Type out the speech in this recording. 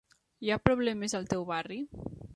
Hi ha problemes al teu barri?